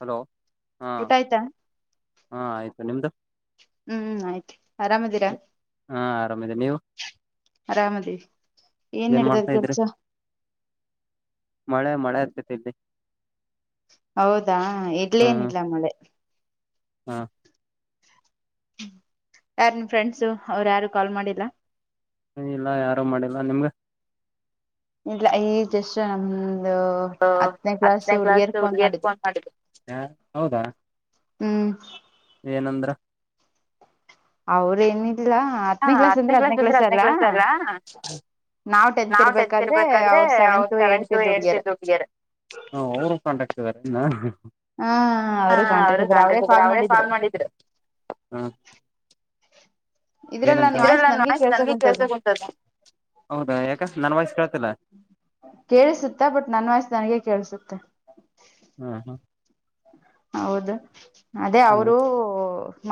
Hello ಹಾಂ ಊಟ ಆಯ್ತಾ ಹಾಂ ಆಯಿತು ನಿಮ್ದು ಹ್ಮ್ ಆಯ್ತು ಆರಾಮದಿರಾ ಹಾ ಆರಾಮಿದೆ ನೀವು ಆರಾಮಿದಿನಿ ಏನ್ ನೆಡೆದದ ಮಾಡ್ತಾ ಇದ್ರಿ ಕೆಲ್ಸ ಮಳೆ ಮಳೆ ಆಗ್ತೈತಿ ಇಲ್ಲಿ ಹೌದಾ ಹಾ ಇಡ್ಲೇನಿಲ್ಲ ಮಳೆ ಹಾ ಯಾರ್ ನಿಮ್ ಫ್ರೆಂಡ್ಸು ಅವ್ರು ಯಾರು ಕಾಲ್ ಮಾಡಿಲ್ಲ ಇಲ್ಲ ಯಾರು ಮಾಡಿಲ್ಲಾ ನಿಮ್ಗೆ ಇಲ್ಲ ಈಗ ಜಸ್ಟ್ ನಮ್ದು ಹ ಹತ್ತನೇ ಬ್ರಾಂಚ್ ಹುಡ್ಗಿಯಾರು ಫೋನ್ ಮಾಡಿದ್ರು ಹೌದಾ ಹ್ಮ್ ಏನಂದ್ರು ಅವ್ರು ಏನಿಲ್ಲ ಹಾ ಹತ್ತನೇ ಕ್ಲಾಸ್ ಅಂದ್ರೆ ಹತ್ತನೇ ಕ್ಲಾಸ್ ಅಲ್ಲ ನಾವ್ ಟೆಂತ್ ಇರ್ಬೇಕಾದ್ರೆ ಅವ ಸೆವೆಂತ್ ಏತ್ ಇದ್ರು ಹುಡುಗೀಯಾರು ಹಾ ಅವರು ಕಾಂಟ್ಯಾಕ್ಟ್ ಇದ್ದಾರೆ ಇನ್ನ ಹ ಹಾ ಅವರು ಕಾಂಟಾಕ್ಟ್ ಇದ್ರಾರೆ ಅವರೇ ಕಾಲ್ ಮಾಡಿದರು ಇದ್ರಲ್ಲಿ ಏನಂತ... ವಾಯ್ಸ್ ಇದರಲ್ಲಿ ನನ್ ನನ್ಗೆ ವಾಯ್ಸ್ಹೌ ಕೇಳ್ಸ ನನಗೆ ಕುಂತದ ಕೆಲ್ಸಕ್ ಹೊಂಟದೇ ಹೌದಾ ಯಾಕ ನನ್ ವಾಯ್ಸ ಕೇಳ್ತಿಲ್ವಾ ಕೇಳಿಸುತ್ತೆ ಬಟ್ ನನ್ ವಾಯ್ಸ್ ನನಗೆ ಕೇಳಿಸುತ್ತೆ ಹ್ಮ ಹ್ಮ ಹೌದು ಅದೇ ಹ್ಮ್ ಅವರೂ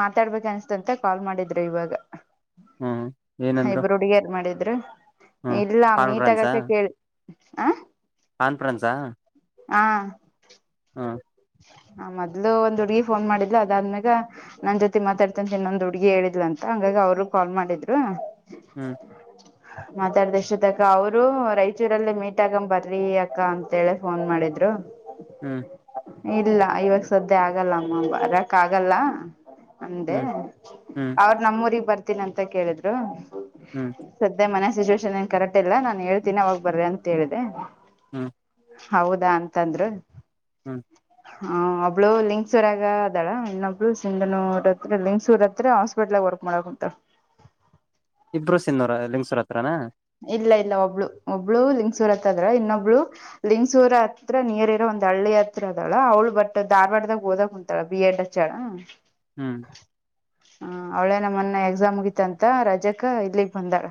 ಮಾತಾಡ್ಬೇಕ ಅನ್ಸ್ತಂತ ಕಾಲ್ ಮಾಡಿದ್ರು ಇವಾಗ ಹಾ ಇಬ್ರು ಹುಡುಗಿಯಾರ ಮಾಡಿದ್ರು ಹ್ಮ್ ಇಲ್ಲ ಮೀಟ್ ಕಾನ್ಫರೆನ್ಸಾ ಆಗಕ್ ಕೇಳಿ ಆ ಕಾನ್ಫರೆನ್ಸ್ ಆ ಹಾ ಹಾ ಆ ಮೊದ್ಲು ಒಂದ್ ಹುಡ್ಗಿ ಫೋನ್ ಮಾಡಿದಿಲ್ಲ ಅದಾದ್ಮ್ಯಾಗ ನನ್ ಜೊತೆ ಮಾತಾಡ್ತನ್ ಇನ್ನೊಂದು ಹುಡ್ಗಿ ಹೇಳಿದ್ಲು ಅಂತ ಹಂಗಾಗಿ ಅವರು ಕಾಲ್ ಮಾಡಿದ್ರು ಹ್ಮ್ [unintelligible] ಮಾತಾಡ್ದ ಇಷ್ಟೋತಕ್ಕ ಅವರು ರಾಯಚೂರಲ್ಲೇ ಮೀಟ್ ಅಗಮ್ ಬರ್ರಿ ಅಕ್ಕ ಅಂತ ಹೇಳಿ ಫೋನ್ ಮಾಡಿದ್ರು. ಹ್ಞ. ಇಲ್ಲ ಇವಾಗ ಸದ್ಯ ಆಗಲ್ಲ ಅಮ್ಮ ಬರಕ್ ಆಗಲ್ಲ. ಅಂದೆ ಹ್ಮ್ ಹ್ಮ್ ಅವ್ರ ನಮ್ಮೂರಿಗ್ ಬರ್ತೀನಿ ಅಂತ ಕೇಳಿದ್ರು. ಹ್ಮ್. ಸದ್ಯ ಮನೆ ಸಿಚುವೇೇಶನ್ಏನ್ ಕರೆಟ್ ಇಲ್ಲ ನಾನ್ ಹೇಳ್ತೀನಿ ಅವಾಗ ಬರ್ರಿ ಅಂತ ಹೇಳ್ದೆ. ಹ್ಮ್ ಹೌದಾ ಅಂತಂದ್ರು. ಹ್ಮ್. ಹ್ ಒಬ್ಳು ಲಿಂಗಸೂರಾಗ ಅದಾಳ ಇನ್ನೊಬ್ಳು ಸಿಂಧನೂರ ಹತ್ರ ಲಿಂಗಸೂರ್ ಹತ್ರ. ಹಾಸ್ಪಿಟಲ್ ವರ್ಕ್ ಮಾಡಕ ಕುಂತಲ. ಇಬ್ರು ಸಿನ್ನೂರ ಲಿಂಗ್ಸೂರ್ ಹತ್ರನಾ. ಇಲ್ಲ ಇಲ್ಲ ಒಬ್ಳು ಒಬ್ಳು ಲಿಂಗಸೂರತ್ದ್ರ ಇನ್ನೊಬ್ಳ. ಲಿಂಗ್ಸೂರ್ ಹತ್ರ ನಿಯರ್ ಇರೋ ಒಂದ್ ಹಳ್ಳಿ ಹತ್ರ ಅದಳ ಅವ್ಳು ಬಟ್ ಧಾರವಾಡದಾಗ ಹೋದಾಗ ಕುಂತಾಲ ಬಿ ಎಡ್ ಹಚ್ಚಳ. ಹ. ಹ್ಮ್. ಹ ಅವಳೇ ಅಲ್ಲ ಮೊನ್ನೆ ಎಕ್ಸಾಮ್ ಮುಗಿತ್ತ ಅಂತ ರಜಕ ಇಲ್ಲಿಗ್ ಬಂದಾಳ.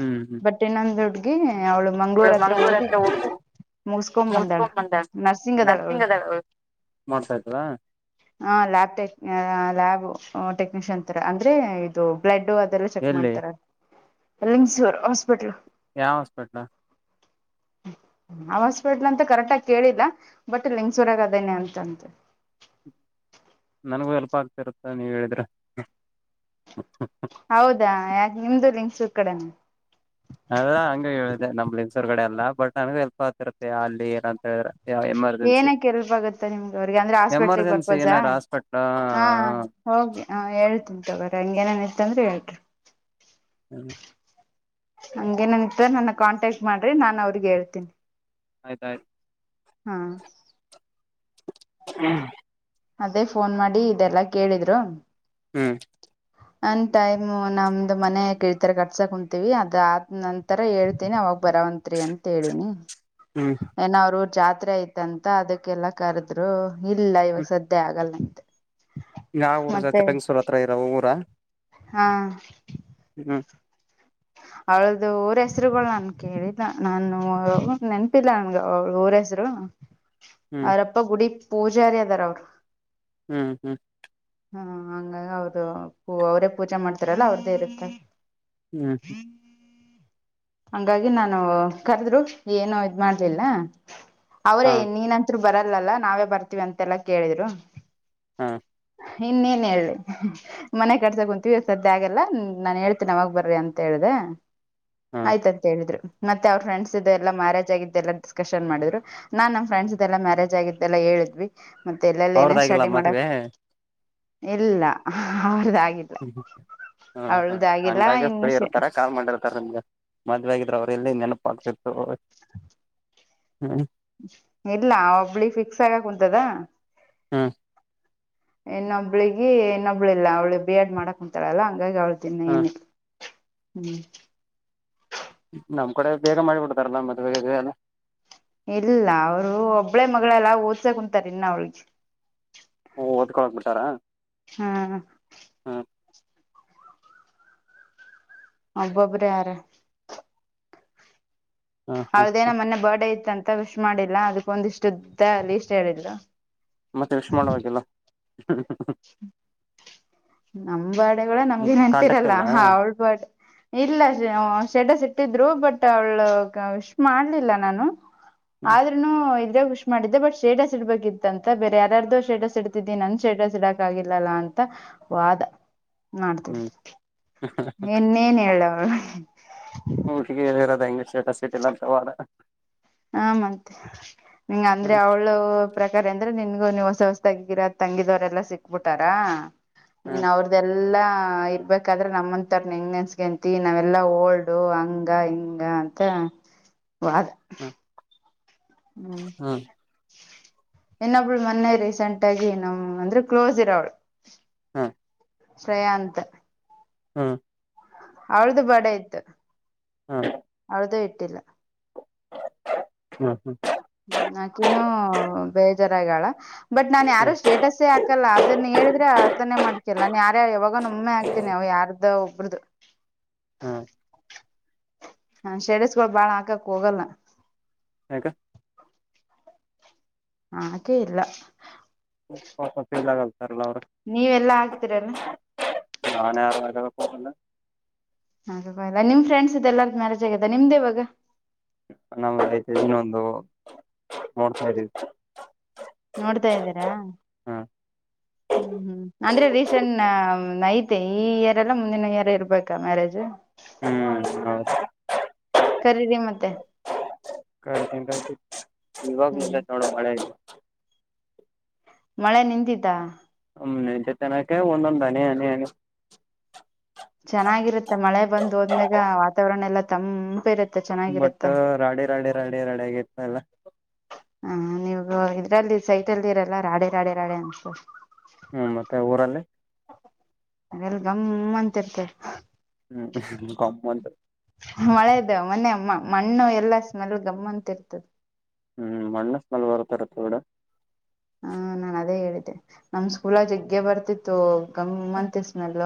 ಹ್ಮ್. ಹ್ಮ್ ಬಟ್ ಇನ್ನೊಂದು ಹುಡುಗಿ ಅವಳ ಮಂಗಳೂರ ಹತ್ರ ಮಂಗ್ಳೂರ್ ಓದಿ ಹೋಗಿ ಮುಗಸಕೊ ಬಂದಾಳ ಮುಗಸ್ಕೊಂಡ್ ಬಂದ ನರ್ಸಿಂಗ್ ಅದಾಳ್ ಅವಳು. [unintelligible] ಆಯ್ತ ತದ. ಹ ಲ್ಯಾಬ್ ಟೆಕ್ ಲ್ಯಾಬ್ ಟೆಕ್ನಿಷಿಯನ್ ಅಂತರ ಅಂದ್ರೆ ಇದು ಬ್ಲಡೂ ಅದು. [unintelligible] ಚೆಕ್ ಎಲ್ಲಿ ಮಾಡ್ತಾರ ರಂಗಸು ಹಾಸ್ಪಿಟ್ಲ್. ಯಾವ ಹಾಸ್ಪಿಟ್ಲ. [inaudible] ಅವ ಹಾಸ್ಪಿಟ್ಲ್ ಅಂತ ಕರೆಕ್ಟ್ ಆಗಿ ಕೇಳಿಲ್ಲ ಬಟ್ ಲಿಂಗಸೂರಾಗ ಅದೇನೆ ಅಂತ. [unintelligible] ನನಗೂ ಹೆಲ್ಪ್ ಆಗ್ತಿರುತ್ತ ನೀವ ಹೇಳಿದ್ರ. ಹೌದಾ ಯಾಕ ನಿಮ್ದು ಲಿಂಗಸೂರ್ ಕಡೆನ. ಅದ ಹಂಗ ಹೇಳಿದೆ ನಮ್ಮ ಲಿಂಗಸುರ ಕಡೆ ಅಲ್ಲಾ ಬಟ್ ನಂಗ ಹೆಲ್ಪ್ ಆತಿರುತ್ತೆ ಅಲ್ಲಿ ಏನಂತ ಎಮರ್ ಏನಕ ಹೆಲ್ಪ್ ಆಗುತ್ತೆ ನಿಮ್ಗ ಅವ್ರಿಗೆ ಅಂದ್ರೆ ಹಾಸ್ಪಿಟಲ್ಗ ಎಮರ್ಜೆನ್ಸಿ ಪರ್ಪಸ್ ಹಾ ಏನಾರ ಹಾಸ್ಪಿಟ್ಲ್ ಹ ಹ. ಹೋಗಿ ಹ ಹೇಳ್ತೀನಿ ತಗೊರಿ ಹಂಗ ಏನೇನ್ ಇತ್ತಂದ್ರೆ ಹೇಳ್ರಿ. ಹ್ಮ್. ಹಂಗ ಏನೇನ ಇತ್ತ ನನ್ನ ಕಾಂಟ್ಯಾಕ್ಟ್ ಮಾಡ್ರಿ ನಾನನ್ ಅವ್ರಿಗೆ ಹೇಳ್ತೀನಿ. ಆಯ್ತ ಆಯ್ತ. ಹಾ. [unintelligible] ಅದೇ ಫೋನ್ ಮಾಡಿ ಇದೆಲ್ಲಾ ಕೇಳಿದ್ರು. ಹ್ಮ್. ನನ್ ಟೈಮ್ ನಮ್ದ ಮನೆ ಕಿಳತರ ಕಟ್ಸಾಕ್ ಕುಂತೀವಿ ಅದ ಆದ ನಂ ಈ ತರ ಹೇಳ್ತೇನಿ ಅವಾಗ ಬರಂತ ಅಂತ್ರಿ ಹೇಳಿನಿ ಹ್ಮ್ ಏನೋ ಅವರ ಊರ ಜಾತ್ರೆ ಐತಂತ ಅದಕ್ಕೆಲ್ಲಾ. ಕರದ್ರು ಇಲ್ಲ ಇವಾಗ ಹ್ಮ್ ಸದ್ಯ ಆಗಲ್ಲ ಅಂತ. ಯಾವ ಊರ ಜೊತೆ ಲಿಂಗಸುರ ಹತ್ರ ಇರೊ ಊರ. ಹಾ. ಹ್ಞ. ಅವಳ್ದು ಊರ ಹೆಸರುಗಳು ನನ್ ಕೇಳಿಲ್ಲ ನಾನು ನೆನಪಿಲ್ಲ ನನ್ಗ ಅವಳ ಊರ ಹೆಸರು ಹ್ಮ್ ಅವರಪ್ಪ ಗುಡಿ ಪೂಜಾರಿ ಅದಾರ ಅವರು ಹ್ಞ ಹ್ಮಞ ಹಾ ಹಂಗ ಅವರು ಅವರೇ ಪೂಜೆ ಮಾಡ್ತಾರಲ್ಲ ಅವ್ರ್ದೇ ಇರುತ್ತಾರೆ ಹ್ಞ ಹ ಹಂಗಾಗಿ ನಾನು ಕರೆದ್ರು ಏನು ಇದ್ ಮಾಡ್ಲಿಲ್ಲ ಹಾ ಅವ್ರೇ ನೀನ ರು ಬರಲ್ಲಲ್ಲ ನಾವೇ ಬರ್ತೀವಿ ಅಂತೆಲ್ಲಾ ಕೇಳಿದ್ರು ಹಾ ಇನ್ನೇನ್ ಹೇಳಿ ಮನೆ ಕಟ್ಸ ಕುಂತೀವಿ ಸದ್ಯ ಆಗೆಲ್ಲ ನಾನ್ ಹೇಳ್ತೇನೆ ಅವಾಗ ಬರ್ರಿ ಅಂತ ಹೇಳ್ದ ಹಾ ತ ಹೇಳಿದ್ರರು ಮತ್ತೆ ಅವ್ರ ಫ್ರೆಂಡ್ಸ್ ಇ ಎಲ್ಲ ಮ್ಯಾರೇಜ್ ಆಗಿದ್ದ ಎ ಡ್ಕಶನ್ ಮಾಡಿದ್ರು ನಾನ್ ನಮ್ ಫ್ರೆಂಡ್ಸ್ ಇದೆ ಎಲ್ಲಾ ಮ್ಯಾರೇಜ್ ಆಗಿದ್ದೆಲ್ಲಾ ಹೇಳಿದ್ವಿ ಮತ್ತೆ ಎಲ್ಲೆಲ್ಲ ಏನೇನ್ ಅವ್ರದಾಗಿಲ್ಲ ಸ್ಟಡಿ ಮದ್ವೆ ಮಾಡಕ್ ಹ ಇಲ್ಲ ಅವದಾಗಿತ್ತು ಹ್ಮ ಹ್ಮ್ ಹ್ಮ್ ಅಂದಾಗೆ ಇನ್ನು ಫ್ರೀ ಇರ್ತಾರ ಕಾಲ್ ಮಾಡಿರ್ತಾರೆ ನಿಮ್ಗೆ ಮದ್ವೆ ಆಗ್ರೆ ಅವರು ಎಲ್ಲಿ ನೆನಪ ಆತಿರ್ತ ಹ್ಮ್ ಇಲ್ಲ ಒಬ್ಳಿ ಫಿಕ್ಸ್ ಆಗಕ್ ಕುಂಂತದಾ ಹಾಂ ಇನ್ನೊಬ್ಳಿಗೆ ಇನ್ನೊಬ್ಳು ಇಿಲ್ಲ ಅವಳು ಬಿ ಎಡ್ ಮಾಡಕ್ ಕುಂಂತಾಳಲ್ಲಾ ಹಂಗಾಗಿ ಅವ್ಳ ದನ್ನ ಹ್ಮ್ ಏನಿತ್ತು ಹ್ಮ್ ನಮ್ ಕಡೆ ಬೇಗ ಮಾಡಿಬಿಡ್ತಾರಲ್ಲಾ ಮದ್ುವ ಎಲ್ಲ ಇಲ್ಲ ಅವ್ರು ಒಬ್ಳೆ ಮಗಳೆಲ್ಲ ಓದ್ಸ ಕುಂಂತಾರ ಇನ್ನ ಅವಳಿಗೆ ಓಓದಕ ಹೋಗ್ಬ ಬಿಿಾರಾ ಹಾ ಒಬ್ಬೊಬ್ ಯಾರ ಹ್ಮ್ ಹ್ಮ್ ಅವ್ರದೇ ನ ಮೊನೆೆ ಬರ್ಡೇ ಇತ್ತಂತ ವಿಶ್ ಮಾಡಿಲ್ಲ ಅದಕ್ಕ ಒಂದ ಇಷ್ಟು್ದ ಅಲ್ಲಿ ಇಷ್ಟ ಹೇಳಿದು ಮತ್ತೆ ಯಷ್ಮಣವಾಗಿಲ್ಲ ನಮ್ ಬಾಡೆಗಳ ನಮ್ಗೆ ಕಾಂಟ್ಯಾಕ್ಟ್ ನೆನ್ಪಿರಲ್ಲ ಇಲ್ಲ ಅವಳ ಬಾ ಇಲ್ಲ ಶೆಡ ಸಿಟ್ಟಿದ್ರು ಬಟ್ ಅವ್ಳಶ್ ಮಾಡ್ಲಿಲ್ಲ ನಾನು ಹ್ಮ್ ಆದ್ರೂನು ಇದ್ರೆುಷ ಮಾಡಿದ್ದೆ ಬಟ್ ಶೇಡಸ್ ಇಡ್ಬೇಕಿತ್ತ ಅಂತ ಬೇರೆ ಯಾರ್ದು ಶೇಡಸ್ ಇಡ್ತಿದಿ ನನ್ ಶೇಡ್ಸ್ಡಾಕ್ ಗಿಲ್ಲಲ್ಲ ಅಂತ ವಾದ ಮಾಡ್ತವಿ ಹ್ಮ್ ಇನ್ನೇನ್ ಹೇಳವಳು ಹಿಗೆ ಇರೋದ ಹೆಂಗ್ ಸಿಟಿಲ ಅಂತವಾ ಹ ಮತ್ತ ನಿಂಗ ಅಂದ್ರೆ ಹ್ಮ್ ಅವಳು ಪ್ರಕಾರ ಅಂದ್ರೆ ನಿನ್ಗು ನೀನ್ ಹೊಸ ಹೊಸದಾಗಿಿರೋ ತಂಗಿದವರೆಲ್ಲಾ ಸಿಕ್ಬಿಟ್ಟಾರ ನೀನ್ ಹ್ಮ್ ಅವ್ರ್ದ ಇದೆಲ್ಲಾ ಇರ್ಬೇಕಾದ್ರೆ ನಮ್ಮಂತರ್ ಹೆಂಗ್ ನೆನ್ಸ್ಗಂತಿ ನಾವೆಲ್ಲಾ ಓಲ್ಡು ಹಂಗ ಹಿಂಗ ಅಂತ ಹ ವ ಹ್ಮ್ ಹ ಇನ್ನೊಬ್ಳು ಮೊನ್ನೆ ರೀಸೆಂಟ್ ಆಗಿ ನಮ ಅಂದ್ರೆ ಕ್ಲೋಸ್ ಇರವಳು ಹಾ ಶ್ರೇಯಾಂತ್ ಹಾಂ ಅವಳ್ದು ಬರ್ಡೇ ಇತ್ತು ಹಾ ಅವಳದ ಇಟ್ಟಿಲ್ಲ. ಹ್ಮ್ ಹ್ಮ್ ಹ್ಮ ಆಾಕಿನೂ ಬೇಜಾರಾಗಳ ಬಟ್ ನಾನ್ ಯಾರು ಹ್ಮ್ ಸ್ಟೇಟಸೇ ಆ. ಹಾಕಲ್ಲ ಅದನ್ನ ಹೇಳಿದ್ರೆ ಅರ್ತಾನೇ ಮಾಡ್ಕಲ್ಲ ಯಾರ ಯಾವಾಗುಮ್ನೆ ಆಕ್ತಿನಿ ಯಾರ್ದೋ ಒಬ್ರುದು. ಹಾ ಹಾ ಸ್ಟೇಟಸ್ಗಳು ಬಾಳ್ ಹಾಕಕ್ ಹೋಗಲ್ಲ. ಯಾಕ. ಆಕೆ ಇಲ್ಲ. ಪಾಪ ಫೇಲ್ ಆಗಲ್ತಾರಲ್ಲ ಅವ್ರ. ನೀವೆಲ್ಲಾ ಹಾಕ್ತಿರಲ್ಲ. ನಾನೇ ಯಾರ ಮಾಡ್ಕಳೋಕ್ಕೋಗೋಲ್ಲ. ಅಕೋಗೋಗಿಲ್ಲ ನಿಮ್ ಫ್ರೆಂಡ್ಸಿದೆಲ್ಲ ಮ್ಯಾರೇಜ್ ಆಗಿದೆ ನಿಮ್ದ್ಯಾವಾಗ. ನಮ್ಐತ ಇನ್ನೊಂದು ನೋಡ್ತಾ ಇದನಿ. ನೋಡ್ತಾ ಇದ್ದೀರಾ. ಹ ಹ್ಮ್ ಹ್ಮ್ ಅಂದ್ರೆ ರೀಸೆಂಟ್ ನೈತೆ ಈ ಇಯರ್ ಎಲ್ಲ ಮುಂದಿನ ಇಯರ್ ಇರ್ಬೇಕಾ ಮ್ಯಾರೇಜ್. ಹ್ಮ್ ಹ ಕರೀರಿ ಮತ್ತೆ ಕ ಹ್ಮ್ ಇವಾಗಲ್ಲ ತೋಳ ಮಳೆ ಆು ಮಳೆ ನಿಂದಿದ್ದಾ ಹ್ಮ್ ನಿ ತೆನಕೆ ಒಂದೊಂದಾನ ಅನ ಚೆನ್ನಾಗಿರುತ್ತೆ ಮಳೆ ಬಂದು್ ಹೋದ್ಮ್ಯಾಗ ವಾತಾವರಣ ಎಲ್ಲಾ ತಂಪ ಇರುತ್ತೆ ಬಟ್ ಚೆನ್ನಾಗಿರುತ್ತೆ ರಾಡಿ ರಾಡಿ ರಾಡಿ ರಾಡಿ ಆಗ ಇತ ಎಲ್ಲ ಹ ನೀವ ಇದ್ರಲ್ಲಿ ಸೈಟಲ್ಲಿ ಇರಲ್ಲ ರಾಡೆ ರಾಡೆ ರಾಡೆ ಅನ್ಸ ಹ್ಮ್ ಮತ್ತೆ ಊರಲ್ಲಿ ಅಲ್ ಗಮ್ಮಂತಿ ಇರ್ತಾರೆ ಹ್ಮ್ ಕಮ್ಮಂತ ಮಳೆದು ಮೊೆ ಮಣ್ಣು ಎಲ್ಲಾ ಸ್ಮೆಲ್ ಗಮ್ಮಂತ ಇರ್ತದೆ ಹ್ಮ್ ಮಣ್ಣಸ್ ಲ್ ಬರ್ತಾರೆ ತೂಡ ಹ ನಾನ್ ಅದೇ ಹೇಳಿದ್ದೆ ನಮ್ ಸ್ಕೂಲ ಜಗ್ಗೆ ಬರ್ತಿತ್ತು ಗಮ್ಮಂತ ಸ್ಮೆಲ್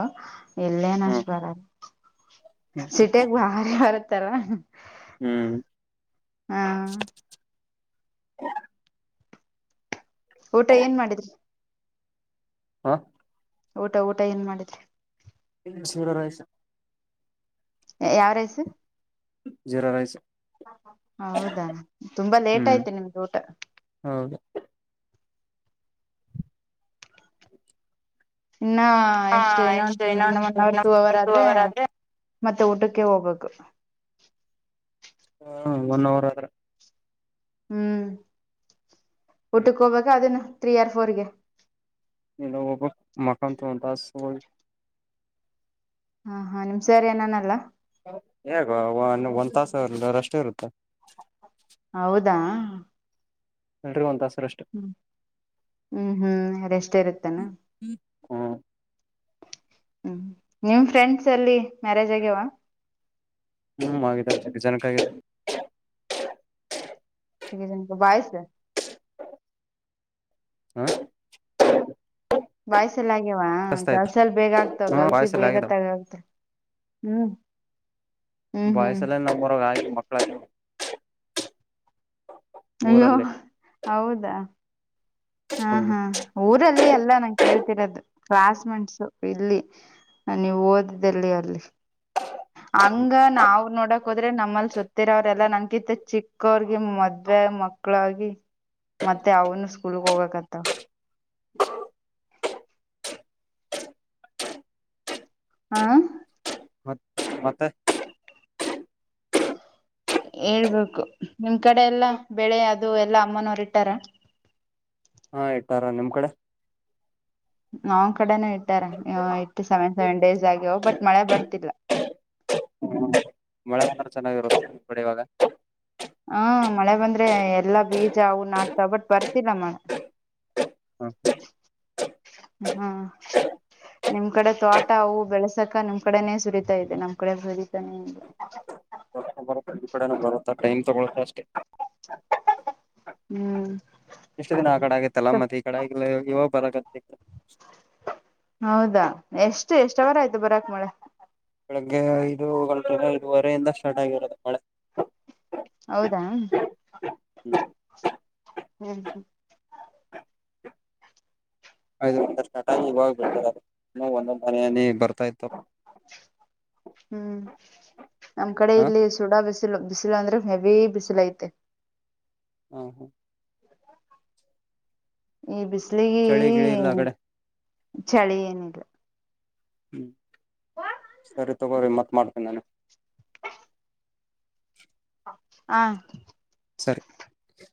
ಎಲ್ಲೇ ನ ಅಷ್ಟ ಹ್ಮ್ ಬರದು ಸಿಟಿಯಾಗ ಭಾರಿ ಬರುತ್ತಲ್ಲ. ಹ್ಮ್ ಹಾ ಊಟ ಏನ್ ಮಾಡಿದ್ರಿ ಹಾಂ ಊಟ ಊಟ ಏನ್ ಮಾಡಿದ್ರಿ ಇ ಶವರಾಯ ಯಾವ ರೈಸ ಜೀರಾ ರೈಸ್ ಹೌದಾ ತುಂಬಾ ಲೇಟ್ ಹ್ಮ್ ಆಯ್ತ ನಿಮ್ದ ಊಟ ಹೌದು ಆ ಇನ್ನ ಎಷ್ಟು ಇನ್ನೊ ಇನ್ನು ಒನ್ ಅವರ್ ಟೂ ಅವರ್ ಆದ್ರೆ ಮತ್ತೆ ಊಟಕ್ಕೆ ಹೋಗಕ್ ಹ ಒನ್ ಅವರ್ ಆದ್ರೆ ಹ್ಮ್ ಊಟಕ್ಕೆ ಹೋಗ್ಬೇಕ ಅದನ್ನು ತ್ರ್ರೀ ಆರ್ ಫೋರ್ಗೆ ಇ ಒ ಮಕಾ ತಂತ ಸ ಹಾ ಹಾ ನಿಮ್ ಸರಿ ಏನಾನಲ್ಲ ಹೇಗ ಒಂದ್ ತಾಸರ್ದ ಅಷ್ಟು ಇರುತ್ತಾ ಹೌದಾ ನರುವಂತಹ ಸ್ರಷ್ಟು ಹ್ಮ್ ಹ್ಮ್ ಹ್ಮ್ ಅದೆಷ್ಟ ಇರುತ್ತೆ ಹ್ಮ ಹ್ಮ್ ನಿಮ್ ಫ್ರೆಂಡ್ಸ್ ಅಲ್ಲಿ ಮ್ಯಾರೇಜ್ ಆಗ್ಯವಾ ಹ್ಮ್ ಆದೆ ಆತಿ ಜನಕ್ಕ ಬೈಸ್ ಹಾ ಬಾಯ್ಸಲ್ಲ ಆಗ್ಯವ ಕಸ್ತ ಆಯ್ತು ಗಲ್ಸಲ್ಲಿ ಬೇಗ ಆಗ್ತವ ಹ್ಮ ಗಲ್ಸಿ ಬಾಯ್ಸಲ್ಲಿ ಬೇಗ ಆಗಿದಾವ ತಗ ಆತ ಹ್ಮ್ ಹ್ಮ್ ಹ್ಮ್ ಬಯ್ಸಲ್ಲ ನಮ್ಮರ ಆ ಮಕ್ಳ ಅಯ್ಯೋ ಊರಲ್ಲಿ ಹೌದಾ ಹಾ ಹ್ಮ್ ಹಾ ಊರಲ್ಲಿ ಎಲ್ಲಾ ನಂಗೆ ಕೇಳ್ತಿರೋದದು ಕ್ಲಾಸ್ ಮೇಂಟ್ಸು ಇಲ್ಲಿ ನೀವು ಓದ್ದಲ್ಲಿ ಅಲ್ಲಿ ಹಂಗ ನಾವ್ ನೋಡಕ್ ಹೋದ್ರೆ ನಮ್ಮಲ್ಲಿ ಸ ಇತ್ತರ ಅವ್ರೆಲ್ಲಾ ನನ್ ಕಿತ್ತ ಚಿಕ್ಕವರ್ಗ ಮದ್ವೆ ಮಕ್ಳಾಗಿ ಮತ್ತೆ ಅವನು ಸ್ಕೂಲ್ಗ್ ಹೋಗಬೇಕತ್ತ ಹಾ ಮತ್ ಮತ್ತೆ ಹೇಳ್ಬೇಕು ನಿಮ್ ಕಡೆ ಎಲ್ಲ ಬೆಳೆ ಅದು ಎಲ್ಲಾ ಅಮ್ಮನವರು ಇಟ್ಟಾರ ಹಾ ಇಟ್ಟಾರ ನಿಮ್ ಕಡೆ ನ್ ಕಡೆನೂ ಇಟ್ಟಾರ ಇತ್ತು ಸೆವೆನ್ ಸೆವೆನ್ ಡೇಸ್ ಆಗ್ಯ್ ಬಟ್ ಮಳೆ ಬರ್ತಿಲ್ಲಾ ಹ್ಮ ಮಳೆ ಚೆನ್ನಾಗಿರುತ್ತೆಡಿ ಇವಾಗ ಹ್ಮ ಮಳೆ ಬಂದ್ರೆ ಎಲ್ಲಾ ಬೀಜ ಅವು ನಾಟತ ಬಟ್ ಬರ್ತಿಲ್ಲ ಮಳೆ ಹ್ಮ ನಿಮ್ ಕಡೆ ತೋಟ ಅವು ಬೆಳಸಕ ನಿಮ್ ಕಡೆನೇ ಸುರಿತಾ ಇದೆ ನಮ್ ಕಡೆ ಸುರಿತಾನೆ ಅ ಬರುತ್ತೆ ಈ ಕಡೆ ಬರುತ್ತಾ ಟೈಮ್ ತಗೊಳ್ಕಕ್ಕೆ ಅಷ್ಟೆ ಹ್ಮ್ ಎಷ್ಟು ದಿನ ಆ ಕಡೆ ಆಗತ್ತಲ್ಲ ಮತ್ತೆ ಈ ಕಡೆಲ್ಲ ಇವಾಗ ಬರತ್ತ ಹೌದಾ ಎಷ್ಟು ಎಷ್ಟವರ ಆಯ್ತು ಬರಾಕ್ ಮಳೆ ಬೆಳಗ್ಗೆ ಐದು ಗಟ ಐವರೆಮದ ಸ್ಟಾರ್ಟ್ ಆಗಿರತ್ತ ಮಳೆ ಹೌದಾ ಹ್ಞ ಹ್ ಇಾಗ ಒಂದೊಂದ ಮನೆಯಲ್ಲಿ ಬರ್ತಾ ಇತ್ತು ಹ್ಮ್ ನಮ್ ಕಡೆ ಹ ಇಲ್ಲಿ ಚೂಡ ಬಿಸಿಲು ಬಿಸಿಲು ಅಂದ್ರೆ ಹೆವಿ ಬಿಸಿಲ ಐತೆ ಹಾ ಹಾ ಈ ಬಿಸಿಲಿಗೆ ಚಳಿ ಗಿಳಿ ಇಲ್ಲ ಆ ಕಡೆ ಚಳಿ ಏನಿಲ್ಲ ಹ್ಮ್ ಸರಿ ತಗೋ ಮತ್ತೆ ಮಾಡ್ತೀನಿ ನಾನು ಹ ಸರಿ